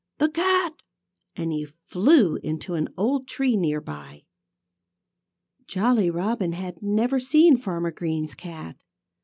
The cat!" And he flew into an old tree near by. Jolly Robin had never seen Farmer Green's cat.